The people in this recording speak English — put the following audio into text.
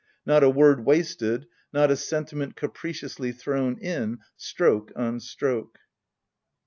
. not a word wasted, not a sentiment capriciously thrown in, stroke on stroke